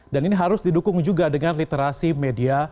dan ini harus didukung juga dengan literasi media